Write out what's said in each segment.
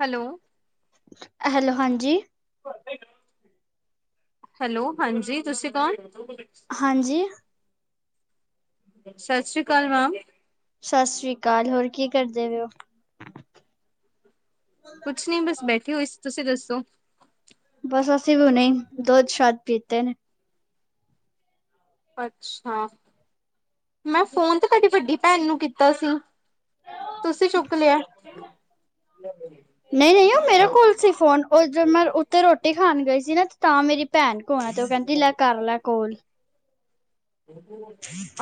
Hello? Hello ਹਾਂਜੀ। Hello ਹਾਂਜੀ, ਤੁਸੀਂ ਕੌਣ? ਹਾਂਜੀ। ਸਤਿ ਸ੍ਰੀ ਅਕਾਲ ਮੈਮ। ਸਤਿ ਸ੍ਰੀ ਅਕਾਲ, ਹੋਰ ਕੀ ਕਰਦੇ ਪਏ ਹੋ? ਕੁਛ ਨਹੀਂ, ਬਸ ਬੈਠੀ ਹੋਈ ਸੀ, ਤੁਸੀਂ ਦੱਸੋ? ਬਸ ਅਸੀਂ ਵੀ ਹੁਣੇ ਹੀ, ਦੁੱਧ ਸ਼ਾਧ ਪੀਤੇ ਨੇ। ਅੱਛਾ। ਮੈਂ ਫੋਨ ਤੇ ਤੁਹਾਡੀ ਵੱਡੀ ਭੈਣ ਨੂੰ ਕੀਤਾ ਸੀ। ਤੁਸੀਂ ਚੁੱਕ ਲਿਆ। ਤੁਸੀ ਫੋਨ, ਉਹ ਜੋਂ ਮੈਂ ਉੱਥਤੇ ਰੋਟੀ ਖਾਣ ਗਈ ਸੀ ਨਾ ਤਾਂ ਮੇਰੀ ਭੈਣ ਕੋਲ ਆ, ਤੇ ਉਹ ਕਹਿੰਦੀ ਲੈ ਕਰ ਲੈ ਕੋਲ।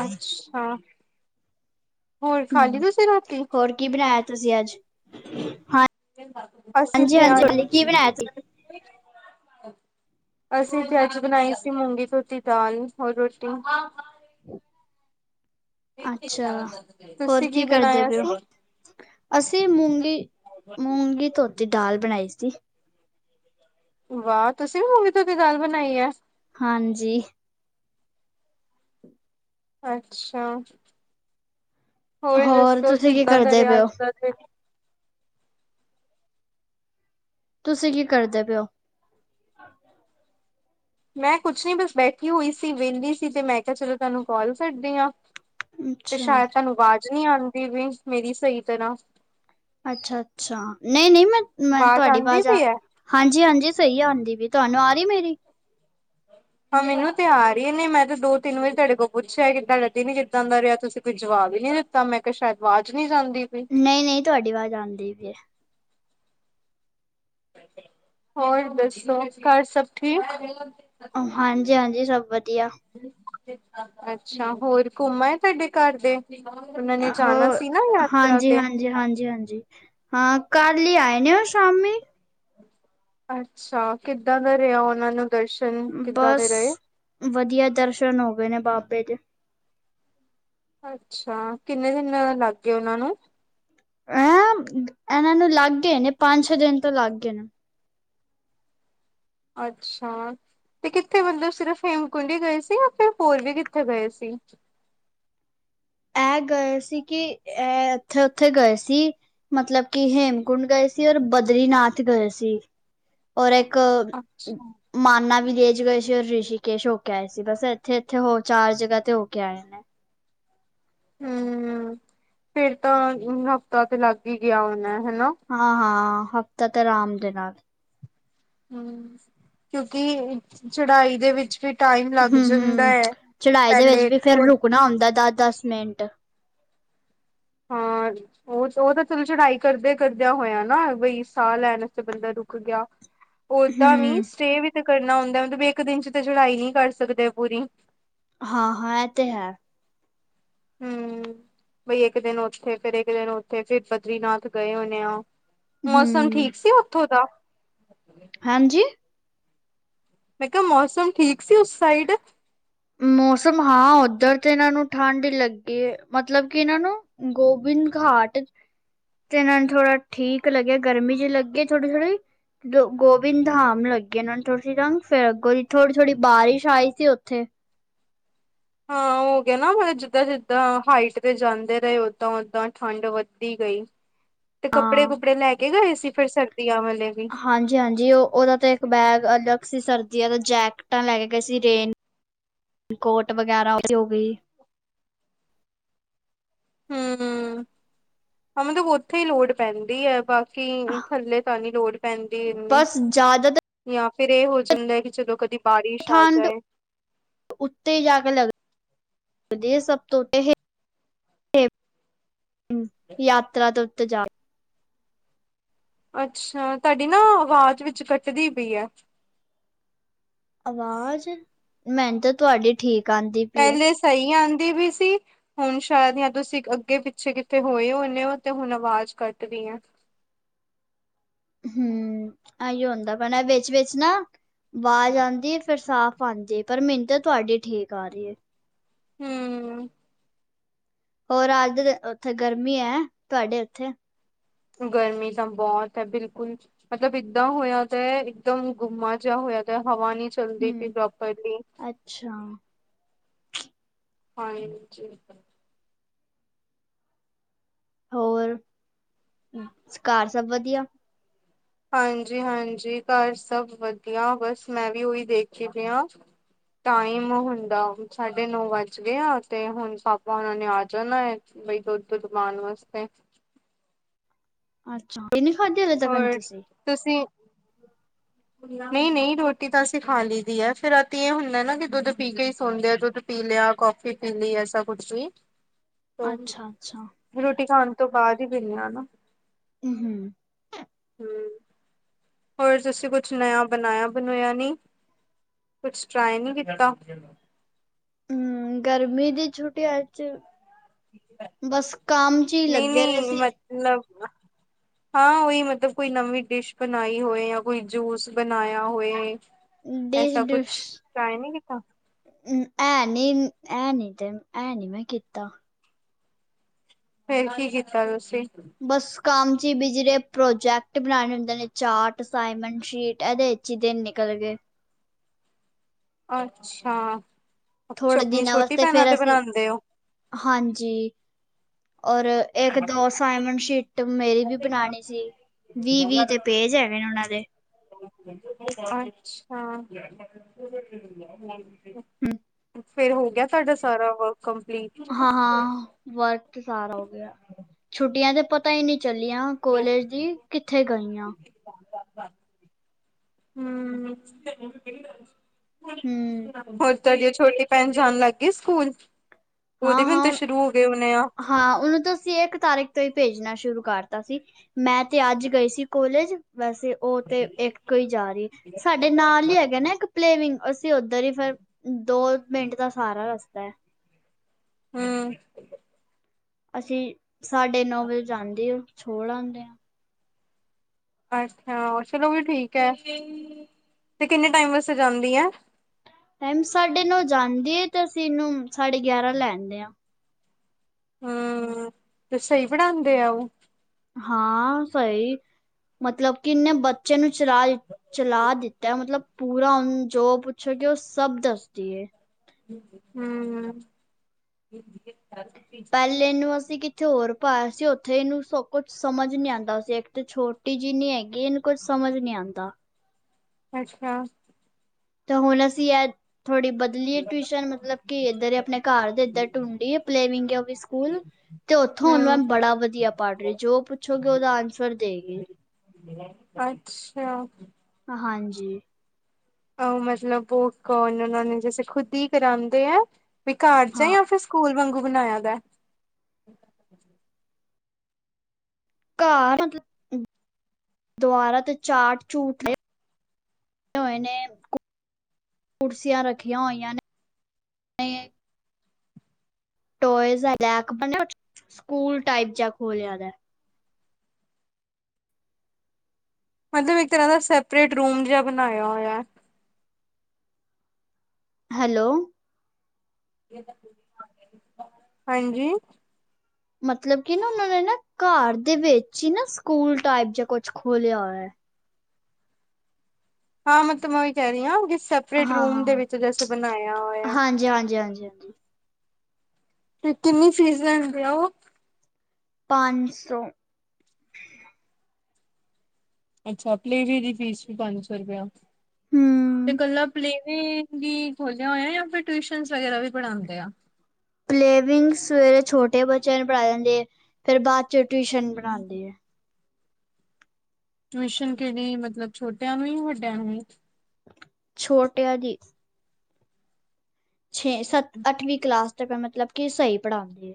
ਅੱਛਾ, ਹੋਰ ਖਾ ਲਈ ਹੂੰ ਤੁਸੀਂ ਰੋਟੀ? ਹੋਰ ਕੀ ਬਣਾਇਆ ਤੁਸੀਂ ਅੱਜ, ਹਾਂ? ਅਸੀਂ ਹਾਂਜੀ ਤੇ ਹਾਂਜੀ ਅੱਜ ਕੀ ਬਣਾਇਆ ਸੀ? ਅਸੀਂ ਤੇ ਅੱਜ ਬਣਾਈ ਸੀ ਮੂੰਗੀ ਧੋਤੀ ਦਾਲ, ਹੋਰ ਰੋਟੀ। ਅੱਛਾ, ਹੋਰ ਤੁਸੀਂ ਕੀ ਕਰਦੇ ਬਣਾਇਆ ਪਏ ਓ? ਸੀ ਅਸੀਂ ਮੂੰਗੀ, ਮੂੰਗੀ ਧੋਤੀ ਦਾਲ ਬਣਾਈ ਸੀ। ਵਾਹ, ਤੁਸੀਂ ਵੀ ਮੂੰਗੀ ਧੋਤੀ ਦਾਲ ਬਣਾਈ ਹੈ? ਹਾਂਜੀ। ਅੱਛਾ, ਹੋਰ ਦੱਸੋ ਤੁਸੀਂ ਕੀ ਕਿੱਦਾਂ ਦਾ ਕਰਦੇ ਰਿਹਾ ਪਏ ਹੋ? ਅਜ ਦਾ ਦਿਨ? ਤੁਸੀਂ ਕੀ ਕਰਦੇ ਪਏ ਓ? ਮੈਂ ਕੁਛ ਨੀ ਬਸ ਬੈਠੀ ਹੋਈ ਸੀ, ਵਿਹਲੀ ਸੀ ਤੇ ਮੈਂ ਕਿਹਾ ਚਲੋ ਤੁਹਾਨੂੰ ਕਾਲ ਕਰਦੀ ਆਂ। ਤੇ ਅੱਛਾ ਸ਼ਾਇਦ ਤੁਹਾਨੂੰ ਆਵਾਜ਼ ਨਹੀਂ ਆਉਂਦੀ ਵੀ, ਮੇਰੀ ਸਹੀ ਤਰ੍ਹਾਂ ਅੱਛਾ -ਅੱਛਾ, ਨਹੀਂ -ਨਹੀਂ ਮੈਂ, ਮੈਂ ਆਵਾਜ਼ ਤੁਹਾਡੀ ਆਉਂਦੀ ਆਵਾਜ਼ ਆ ਪਈ ਹੈ। ਹਾਂਜੀ -ਹਾਂਜੀ ਸਹੀ ਆਉਂਦੀ ਵੀ, ਤੁਹਾਨੂੰ ਆ ਰਹੀ ਮੇਰੀ ਹਾਂ ਮੈਨੂੰ ਤੇ ਆ ਰਹੀ ਨੇ, ਮੈਂ ਤੇ ਦੋ- ਤਿੰਨ ਵਾਰੀ ਤੁਹਾਡੇ ਕੋਲ ਪੁੱਛਿਆ ਤੁਹਾਡਾ ਦਿਨ ਕਿੱਦਾ ਦਾ ਰਿਹਾ ਤੁਸੀਂ ਕੋਈ ਜਵਾਬ ਹੀ ਨਹੀਂ ਦਿੱਤਾ। ਤਾਂ ਮੈਂ ਕਿਹਾ, ਸ਼ਾਇਦ ਆਵਾਜ਼ ਨਹੀਂ ਸੁਣਦੀ। ਨਹੀਂ -ਨਹੀਂ ਤੁਹਾਡੀ ਆਵਾਜ਼ ਆਉਂਦੀ ਪਈ ਏ। ਹੋਰ ਦੱਸੋ, ਘਰ ਸਭ ਠੀਕ? ਹਾਂਜੀ- ਹਾਂਜੀ, ਸਭ ਵਧੀਆ। ਅੱਛਾ, ਹੋਰ ਘੁੰਮ ਆਏ ਤੁਹਾਡੇ ਘਰ ਦੇ? ਉਹਨਾਂ ਨੇ ਜਾਣਾ ਸੀ ਨਾ, ਯਾਤਰਾ ਤੇ? ਜੀ, ਹਾਂਜੀ -ਹਾਂਜੀ। ਹਾਂ, ਕੱਲ ਹੀ ਆਏ ਨੇ, ਉਹ ਸ਼ਾਮੀ। ਅੱਛਾ, ਕਿੱਦਾਂ ਦਾ ਰਿਹਾ ਉਹਨਾਂ ਨੂੰ ਦਰਸ਼ਨ ਕਿੱਦਾਂ ਬਸ, ਦੇ ਰਹੇ? ਵਧੀਆ ਦਰਸ਼ਨ ਹੋ ਗਏ ਨੇ ਬਾਬੇ ਦੇ। ਅੱਛਾ ਕਿੰਨੇ ਦਿਨ ਲੱਗ ਗਏ ਉਹਨਾਂ ਨੂੰ ਐਂ ਇਹਨਾਂ ਨੂੰ ਲੱਗ ਗਏ ਨੇ ਪੰਜ ਛੇ ਦਿਨ ਤੋਂ ਲੱਗ ਗਏ ਨੇ। ਅੱਛਾ ਤੇ ਕਿਥੇ ਮਤਲਬ ਸਿਰਫ ਹੇਮਕੁੰਡ ਹੀ ਗਏ ਸੀ ਜਾਂ ਫਿਰ ਹੋਰ ਵੀ ਕਿੱਥੇ ਗਏ ਸੀ। ਇਹ ਗਏ ਸੀ ਕਿ ਇਹ ਇਥੇ ਉਥੇ ਗਏ ਸੀ। ਮਤਲਬ ਕਿ ਹੇਮਕੁੰਡ ਗਏ ਸੀ ਔਰ ਬਦਰੀਨਾਥ ਗਏ ਸੀ। ਔਰ ਇੱਕ ਅੱਛਾ ਮਾਨਾ ਵੀਲਜ ਗਏ ਔਰ ਰਿਸ਼ੀਕੇਸ਼ ਹੋ ਕੇ ਆਏ ਸੀ ਬਸ ਇਥੇ-ਇਥੇ ਹੋ ਚਾਰ ਜਗ੍ਹਾ ਤੇ ਹੋ ਕੇ ਆਏ ਨੇ। ਹੂੰ ਫਿਰ ਤਾਂ ਹਫ਼ਤਾ ਤੇ ਲੱਗ ਹੀ ਗਿਆ ਹੁਣਾ ਹਨਾ। ਹਾਂ-ਹਾਂ ਹਫ਼ਤਾ ਤੇ ਆਰਾਮ ਦੇ ਨਾਲ ਹੂੰ ਕਿਉਂਕਿ ਚੜਾਈ ਦੇ ਵਿੱਚ ਵੀ ਟਾਈਮ ਲੱਗ ਹਮ ਜਾਂਦਾ ਹੈ ਪਹਿਲੇ ਥੋੜ ਣਾ ਹੁੰਂਦਾ ਦਸ-ਦਸ ਮਿੰਟ ਹਾਂ ਉਹ-ਉਹ ਤਾਂ ਚਲੋ ਚੜਾਈ ਕਰਦਿਆਂ-ਕਰਦਿਆਂ ਹੋਇਆ ਨਾ ਬਈ ਸਾਹ ਲੈਣ ਤੇ ਬੰਦਾ ਰੁ ਰੁੱਕ ਗਿਆ ਓਦਾਂ ਵੀ ਹਮ ਸਟੇ ਵਿੱਚ ਕਰਨਾ ਹੁੰਦਾ ਮਤਲਬ ਵੀ ਇੱਕ ਦਿਨ 'ਚ ਤਾਂ ਚੜਾਈ ਨੀ ਕਰ ਸਕਦੇ ਪੂਰੀ ਹਾਂ-ਹਾਂ ਇਹ ਤੇ ਹੈ। ਹੂੰ ਬਈ ਇੱਕ ਦਿਨ ਉਥੇ ਫਿਰ ਇੱਕ ਦਿਨ ਉੱਥੇ ਫਿਰ ਬਦਰੀਨਾਥ ਗਏ ਹੋਣੇ ਉਹ ਮੌਸਮ ਹਮ ਠੀਕ ਸੀ ਉਥੋਂ ਦਾ ਹਾਂਜੀ ਮੈਂ ਕਿਹਾ ਮੌਸਮ ਠੀਕ ਸੀ ਉਸ ਸਾਈਡ ਮੌਸਮ ਹਾਂ ਓਧਰ ਤੇ ਇਹਨਾਂ ਨੂੰ ਠੰਢ ਲੱਗੀ ਹੈ ਮਤਲਬ ਕਿ ਇਹਨਾਂ ਨੂੰ ਗੋਬਿੰਦ ਘਾਟ ਤੇ ਇਹਨਾਂ ਨੂੰ ਥੋੜਾ ਠੀਕ ਲੱਗਿਆ ਗਰਮੀ ਜਿਹੀ ਲੱਗੇ ਥੋੜੀ-ਥੋੜ੍ਹੀ ਗੋਬਿੰਦ ਧਾਮ ਲੱਗੀ ਉਹਨਾਂ ਨੂੰ ਥੋੜੀ ਠੰਡ ਫਿਰ ਅਗੋ ਦੀ ਥੋੜੀ-ਥੋੜ੍ਹੀ ਬਾਰਿਸ਼ ਆਈ ਸੀ ਉਥੇ ਹਾਂ ਓ ਹੋ ਗਿਆ ਨਾ ਮਤਲਬ ਜਿੱਦਾਂ-ਜਿੱਦਾਂ ਹਾਈਟ ਤੇ ਜਾਂਦੇ ਰਹੇ ਓਦਾਂ-ਓਦਾਂ ਠੰਡ ਵੱਧਦੀ ਗਈ। ਤੇ ਕੱਪੜੇ ਹਾਂ ਕੁਪੜੇ ਲੈ ਕੇ ਗਏ ਸੀ ਫਿਰ ਸਰਦੀਆਂ ਵਾਲੇ ਹਾਂਜੀ-ਹਾਂਜੀ ਉਹ ਉਹਦਾ ਤੇ ਇੱਕ ਬੈਗ ਅਲੱਗ ਸੀ ਸਰਦੀਆਂ ਦਾ ਜੈਕਟਾਂ ਲੈ ਕੇ ਗਏ ਸੀ ਰੇਨ ਕੋਟ ਵਗੈਰਾ ਉ ਹੋ ਗਈ। ਹੂੰ-ਹੂੰ ਮਤਲਬ ਉਥੇ ਹੀ ਲੋੜ ਪੈਂਦੀ ਹੈ ਬਾਕੀ ਕੀ ਥੱਲੇ ਤਾਂ ਨੀ ਲੋੜ ਪੈਂਦੀ ਏਨੀ ਬਸ ਜ਼ਿਆਦਾਤਰ ਜਾਂ ਫਿਰ ਇਹ ਹੋ ਜਾਂਦਾ ਕਿ ਚਲੋ ਕਦੀ ਬਾਰਿਸ਼ ਆ ਠੰਡ ਜਾਏ। ਉਤੇ ਜਾ ਕੇ ਲਗਦੀ ਏ ਸਭ ਉਤੇ ਇਹ ਹੇਮ ਯਾਤਰਾ ਤੋਂ ਉੱਤੇ ਜਾ ਕੇ ਅੱਛਾ ਤੁਹਾਡੀ ਨਾ ਆਵਾਜ਼ ਵਿੱਚ ਕੱਟਦੀ ਪਈ ਹੈ। ਆਵਾਜ਼ ਮੈਨੂੰ ਤਾ ਤੁਹਾਡੀ ਠੀਕ ਆਂਦੀ ਪਈ ਏ। ਪਹਿਲੇ ਸਹੀ ਆਂਦੀ ਵੀ ਸੀ। ਹੁਣ ਸ਼ਾਇਦ ਹ ਤੁਸੀਂ ਅੱਗੇ ਪਿੱਛੇ ਕਿੱਥੇ ਹੋਏ ਹੁਣੇ ਹੋ ਤੇ ਹੁਣ ਆਵਾਜ਼ ਕੱਟਦੀ ਹੈ। ਹੂੰ ਇਹੀ ਹੁੰਦਾ ਪਇਆ ਵਿੱਚ-ਵਿਚ ਨਾ ਆਵਾਜ਼ ਆਂਦੀ ਫਿਰ ਸਾਫ਼ ਹਾਂਜੀ ਪਰ ਮੈਨੂੰ ਤੇ ਤੁਹਾਡੀ ਠੀਕ ਆ ਰਹੀ ਹੈ। ਹੂੰ ਹੋਰ ਅੱਜ ਉਥੇ ਗਰਮੀ ਹੈ ਤੁਹਾਡੇ ਉਥੇ ਗਰਮੀ ਤਾਂ ਬਹੁਤ ਹੈ ਬਿਲਕੁਲ ਮਤਲਬ ਏਦਾਂ ਹੋਇਆ ਤੇ ਇੱਕਦਮ ਗੁਮਾ ਜਿਹਾ ਹੋਇਆ ਦਾ ਹਵਾ ਨੀ ਚੱਲਦੀ ਪਈ ਹੂੰ, ਪ੍ਰੋਪਰਲੀ ਅੱਛਾ ਹਾਂਜੀ ਹੋਰ ਘਾਰ ਸਭ ਵਧੀਆ ਹਾਂਜੀ-ਹਾਂਜੀ ਘਾਰ ਸਭ ਵਧੀਆ ਬਸ ਮੈਂ ਵੀ ਓਹੀ ਦੇਖੀ ਪਈ ਹਾਂ। ਟਾਈਮ ਹੁੰਦਾ ਸਾਢੇ ਨੌ ਵੱਜ ਗਿਆ, ਆ ਤੇ ਹੁਣ ਪਾਪਾ ਹੁਨਾਂ ਨੇ ਆ ਜਾਣਾ ਹੈ। ਬਈ ਦੁੱਧ-ਦੁੱਧ ਪਾਣ ਵਾਸਤੇ। ਅੱਛਾ, ਕਿੰਨ ਖਾਦੀ ਹਲੇ ਤੱਕ ਹੋਰ ਤੁਸੀਂ। ਤੁਸੀਂ? ਨਹੀਂ ਨਹੀਂ ਰੋਟੀ ਤਾਂ ਅਸੀਂ ਖਾ ਲਈ ਦੀ ਹੈ, ਫੇਰ ਰਾਤੀ ਇਹ ਹੁੰਦਾ ਨਾ ਕਿ ਦੁੱਧ ਪੀ ਕੇ ਹੀ ਸੌਦੇ ਆ ਦੁੱਧ ਪੀ ਲਿਆ ਕੌਫੀ ਪੀ ਲਈ, ਐਸਾ ਕੁਛ ਵੀ ਤੋ ਅੱਛਾ-ਅੱਛਾ। ਰੋਟੀ ਖਾਣ ਤੋਂ ਬਾਅਦ ਹੀ ਪਿਨੀ ਆ ਨਾ। ਹੂੰ, ਹੂੰ, ਹੋਰ ਤੁਸੀਂ ਕੁਛ ਨਯ ਬਣਾਇਆ ਬਣੂਇਆ ਨਹੀਂ ਕੁਛ ਟਰਾਈ ਨੀ ਕੀਤਾ। ਹੂੰ ਗਰਮੀ ਦੀ ਛੁੱਟੀਆਂ ਚ ਬਸ ਕੰਮ ਚ ਹੀ ਨਹੀਂ ਲੱਗੇ ਰਹੇ ਨਹੀਂ ਸੀ। [unintelligible] ਹਾਂ ਉਹੀ ਮਤਲਬ ਕੋਈ ਨਵੀਂ ਡਿਸ਼ ਬਣਾਈ ਹੋਏ, ਜਾਂ ਕੋਈ ਜੂਸ ਬਣਾਇਆ ਹੋਏ। ਐਸਾ ਕੁਛ ਟਾਈਮ ਨੀ ਕੀਤਾ। ਹੂੰ, ਐ ਨੀ ਐ ਨੀ ਤੇ ਐ ਨੀ ਮੈਂ ਕੀਤਾ। ਫੇਰ ਕੀ ਕੀਤਾ ਤੁਸੀਂ? ਬਸ ਕੰਮ ਚ ਬਿਜੜੇ ਪ੍ਰੋਜੈਕਟ ਬਣਾਉਣੇ ਹੁੰਦੇ ਨੇ ਚਾਰਟ ਅਸਾਈਨਮੈਂਟ ਸ਼ੀਟ ਇਹਦੇ ਪੱਚੀ ਦਿਨ ਨਿਕਲ ਗਏ। ਅੱਛਾ, ਥੋੜੇ ਆਪਣੀ ਦਿਨਾਂ ਛੋਟੀ ਵਾਸਤੇ ਭੈਣਾਂ ਫਿਰ ਤੇ ਅਸੀਂ ਬਣਾਦੇ ਔ। ਹਾਂਜੀ, ਔਰ। ਇੱਕ ਦੋਸਾਈਮੰਡ ਸ਼ੀਟ ਮੇਰੀ ਵੀ ਬਣਾਉਣੀ ਸੀ, ਵੀਹ-ਵੀਹ ਤੇ ਪੇਜ ਹੈਗੇ ਨੇ ਉਹਨਾਂ ਦੇ। ਅੱਛਾ। ਹੂੰ, ਫੇਰ ਹੋ ਗਿਆ, ਤੁਹਾਡਾ ਸਾਰਾ ਵਰਕ ਕੰਪਲੀਟ? ਹਾਂ-ਹਾਂ। ਵਰਕ ਸਾਰਾ ਹੋ ਗਿਆ, ਛੁੱਟੀਆਂ ਤੇ ਪਤਾ ਹੀ ਨਹੀਂ ਚੱਲੀਆਂ। ਕੋਲੇਜ ਦੀ ਕਿੱਥੇ ਗਈ ਹਾਂ। ਹੂੰ, ਹਮ ਹੋਰ ਥੋੜੀ ਔ ਛੋਟੀ ਭੈਣ ਜਾਣ ਲੱਗ ਗਈ ਸਕੂਲ? ਉਹਦੇ ਹਾਂ ਵੀ ਹਾਂ ਤਾਂ ਸ਼ੁਰੂ ਹੋ ਗਏ ਹੋਣੇ ਆ। ਹਾਂ ਉਹਨੂੰ ਤਾਂ ਅਸੀਂ ਇੱਕ ਤਾਰੀਖ ਤੋਂ ਹੀ ਭੇਜਣਾ ਸ਼ੁਰੂ ਕਰਤਾ ਸੀ। ਮੈਂ ਤੇ ਅੱਜ ਗਈ ਸੀ, ਕੋਲੇਜ ਵੈਸੇ। ਉਹ ਤੇ ਇੱਕ ਹੀ ਜਾ ਰਹੀ ਸਾਡੇ ਨਾਲ ਹੀ ਹੈਗੇ ਨਾ ਇੱਕ। ਪਲੇਵਿੰਗ ਅਸੀਂ ਉੱਧਰ ਹੀ ਫੇਰ ਦੋ ਮਿੰਟ ਦਾ ਸਾਰਾ ਰਸਤਾ ਹੈ। ਹੂੰ, ਅਸੀਂ ਸਾਡੇ ਨੌਵੇਂ ਜਾਂਦੇ ਆ ਛੋੜ ਆਦੇ ਆ ਅੱਛਾ ਚਲੋ ਵੀ ਠੀਕ ਹੈ, ਤੇ ਕਿੰਨੇ ਟਾਈਮ ਵਾਸਤੇ ਜਾਂਦੀ ਆ ਟਾਈਮ ਸਾਢੇ ਨੌ ਜਾਂਦੀ ਹੈ, ਤੇ ਅਸੀਂ ਇਹਨੂੰ ਸਾਢੇ ਗਿਆਰਾਂ ਲੈਦੇ ਆ ਹੂੰ, ਤੇ ਸਹੀ ਪੜਾਦੇ ਆ ਉਹ ਹਾਂ, ਸਹੀ ਮਤਲਬ ਕਿਨੇ ਬ ਬੱਚੇ ਨੂੰ ਚਲਾ-ਚਲਾ ਦਿੱਤਾ ਮਤਲਬ ਪੂਰਾ ਔਨੁੰ ਜੋ ਪੁੱਛੋ ਕਿ ਉਹ ਸਭ ਦੱਸਦੀਏ। ਹੂੰ, ਪਹਿਲੇ ਨੂੰ ਅਸੀਂ ਕਿੱਥੇ ਹੋਰ ਪਾਇਆ ਸੀ, ਉੱਥੇ ਇਹਨੂੰ ਸ ਕੁਛ ਸਮਝ ਨਹੀਂ ਆਉਂਦਾ ਸੀ, ਇੱਕ ਤੇ ਛੋਟ ਟੀ ਜਿੰਨੀ ਹੈਗੀ, ਇਹਨੂੰ ਕੁੱਝ ਸਮਝ ਨਹੀਂ ਆਦਾ। ਅੱਛਾ। ਤਾਂ ਹੁਣ ਅਸੀਂ ਇਹ ਥੋੜ੍ਹੀ ਬਹੁਤ ਬਦਲੀਏ ਟਿਊਸ਼ਨ ਮਤਲਬ ਕਿ, ਇਧਰ ਆਪਣੇ ਘਰ ਦੇ ਇਧਰ ਟੂੰਡੀ ਪਲੇਵਿੰਗ ਸਕੂਲ। ਤੇ ਉੱਥੋਂ ਉਹਨੂੰ ਐ ਹਮ ਬੜਾ ਵਧੀਆ ਪੜ੍ਹ ਰਹੀ ਜੋ ਪੁੱਛੋਗੇ ਉਹਦਾ ਆਨਸਰ ਦੇਗੀ ਅੱਛਾ ਹਾਂਜੀ ਉਹ ਮਤਲਬ ਉਹ ਕੌਣ ਉਹਨਾ ਨੇ ਜੈਸੇ ਖੁਦ ਹੀ ਕਰਾਉਂਦੇ ਐ, ਵੀ ਘਰ ਜਾ ਹਾਂ ਜਾਂ ਫਿਰ ਸਕੂਲ ਵਾਂਗੂ ਬਣਾਇਆ ਦਾ ਘਾਰ, ਦੀਵਾਰਾਂ ਤੇ ਚਾਰਟ ਚੂਰਟ ਨੇ ਹੋਏ ਨੇ, ਕੁਰਸੀਆਂ ਰੱਖੀਆਂ ਹੋਈਆਂ ਨੇ ਟੋਇਜ਼ ਦਾ ਰੈਕ ਬਣਿਆ, ਔ ਦੇ ਚ ਸਕੂਲ ਟਾਈਪ ਜਾ ਖੋਲਿਆ ਦਾ ਮਤਲਬ ਇੱਕ ਤਰ੍ਹਾਂ ਦਾ ਸੈਪਰੇਟ ਰੂਮ ਜਿਹਾ ਬਣਾਇਆ ਹੋਇਆ। ਹੈਲੋ ਹਾਂਜੀ ਮਤਲਬ ਕੀ ਨਾ ਉਹਨਾਂ ਨੇ ਨਾ ਘਾਰ ਦੇ ਵਿੱਚ ਹੀ ਨਾ, ਸਕੂਲ ਟਾਈਪ ਜਾਂ ਕੁਛ ਖੋਲਿਆ ਹੋਇਆ ਹੈ ਹਾਂ, ਮੈਂ ਤਾ ਮੈਂ ਓਇ ਕਹ ਰਹੀ ਆਂ ਕੀ ਸੇਪਰੇਟ ਹਾਂ ਹਾਂ ਰੂਮ ਦੇ ਹਾਂ ਵਿੱਚ, ਜੈਸੇ ਬਣਾਇਆ ਹੋਇਆ ਹਾਂਜੀ ਹਾਂਜੀ ਹਾਂਜੀ ਹਾਂਜੀ ਤੇ ਕਿੰਨੀ ਫੀਸ ਲੈਣਦੇ ਉਹ ਪੰਜ ਸੌ ਅੱਛਾ ਪਲੇਵੀ ਦੀ ਫੀਸ ਵੀ ਪੰਜ ਸੌ ਰੁਪਇਆ, ਤੇ ਹੂੰ ਇਕੱਲਾ ਪਲੇਵੀ ਕੀਂ ਖੋਲਿਆ ਹੋਇਆ, ਫਿਰ ਟਿਊਸ਼ਨ ਵਗੈਰਾ ਵੀ ਪੜਾਉਂਦੇ ਆ ਪਲੇਵਿੰਗ ਸਵੇਰੇ ਛੋਟੇ ਬੱਚਿਆਂ ਨੂੰ ਪੜ੍ਹਾ ਦਿੰਦੇ ਹੈ। ਫੇਰ ਬਾਦ ਚ ਟਿਊਸ਼ਨ ਪਰਾਂਦੀ ਐ ਟਿਊਸ਼ਨ ਕਿਹੜੀ, ਮਤਲਬ ਛੋਟਿਆਂ ਨੂੰ ਹੀ, ਵੱਡਿਆਂ ਨੂੰ ਹੀ ਛੋਟਿਆਂ ਦੀ ਛੇ ਸੱਤ ਅੱਠਵੀਂ ਕਲਾਸ ਤੱਕ, ਮਤਲਬ ਕਿ ਸਹੀ ਪੜਾਉਂਦੀ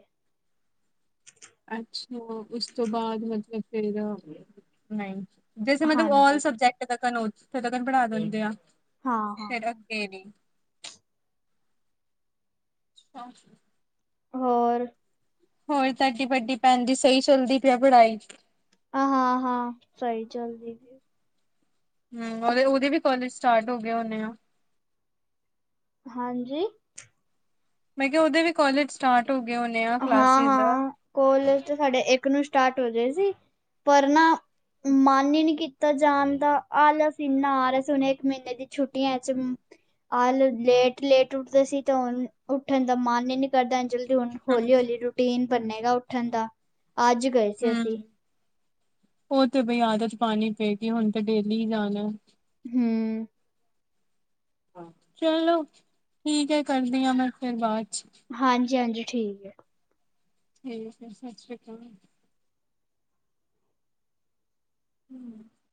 ਅੱਛਾ, ਉਸ ਤੋਂ ਬਾਅਦ ਮਤਲਬ ਫੇਰ ਨਾਈ ਜੈਸੇ ਹੈ ਮਤਲਬ ਆਲ ਹਾਂਜੀ ਸਬਜੈਕਟ ਤਕਣ, ਓ ਜਿਥੇ ਤਕਣ ਪੜ੍ਹਾ ਦਿੰਦੇ ਆ ਹਾਂ-ਹਾਂ [unintelligible] ਹੋਰ ਹੋਰ ਤੁਹਾਡੀ ਵਡੀ ਭੈਣ ਦੀ, ਸਹੀ ਚੱਲਦੀ ਪਈ ਪੜ੍ਹਾਈ ਹਾਂ-ਹਾਂ ਸਹੀ ਚੱਲਦੀ ਪਈ ਹੂ, ਉਹਦੇ ਵੀ ਕੋਾਲਜ ਸਟਾਰਟ ਹੋ ਗਏ ਹੋਣੇ ਆ। ਹਾਂਜੀ ਮੈਂ ਕਿਹਾ ਉਹਦੇ ਵੀ ਕੋਾਲਜ ਸਟਾਰਟ ਹੋ ਗਏ ਹੋਣੇ ਆ ਕਲਾਸਿਸ ਕੋਲੇਜ ਤੇ ਸਾਡੇ ਇੱਕ ਨੂੰ ਸਟਾਰਟ ਹੋਗੇ ਸੀ, ਪਰ ਨਾ ਮਨ ਹੀ ਨਹੀਂ ਕੀ ਤਾਂ ਜਾਣ ਦਾ ਆਲਸ ਇੰਨਾ ਆ ਰਿਹਾ ਸੀ, ਹੁਣੇ ਇੱਕ ਮਹੀਨੇ ਦੀ ਛੁੱਟੀਆਂ ਚ ਆਲ ਲੇਟ-ਲੇਟ ਉੱਠਦੇ ਸੀ, ਤਾਂ ਹੁਣ ਉੱਠਣ ਦਾ ਮਨ ਹੀ ਨੀ ਕਰਦਾ ਜਲਦੀ ਹੁਣ ਹਮ ਹੌਲੀ-ਹੌਲੀ ਰੂਟੀਨ ਬਨੇਗਾ ਉੱਠਣ ਦਾ, ਅੱਜ ਗਏ ਸੀ ਅਸੀਂ ਹਮ ਉਹ ਤੇ ਬਈ ਆਦਤ ਪਾਣੀ ਪਏਗੀ, ਹੁਣ ਤੇ ਡੇਲੀ ਹੀ ਜਾਣਾ ਹੂੰ ਚਲੋ, ਠੀਕ ਐ ਕਰਦੀ ਆ ਮੈਂ ਫਿਰ ਬਾਅਦ 'ਚ। ਹਾਂਜੀ-ਹਾਂਜੀ, ਠੀਕ ਐ ਠੀਕ ਹੈ ਸਤਿ ਸ਼੍ਰੀ ਅਕਾਲ ਹੂੰ